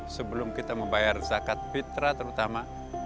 sebelum kita membayar zakat fitrah terutama